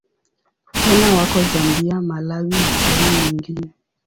Tena wako Zambia, Malawi na sehemu nyingine.